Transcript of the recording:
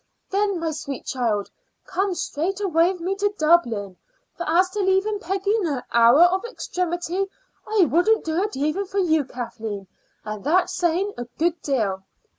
"Then, my sweet child, come straight away with me to Dublin; for as to leaving Peggy in her hour of extremity, I wouldn't do it even for you, Kathleen, and that's saying a good deal."